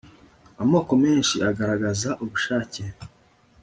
amoko menshi agaragaraza ubushake